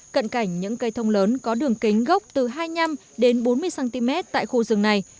cận cảnh những cây thông lớn có đường kính gốc từ hai mươi năm đến bốn mươi cm tại khu rừng này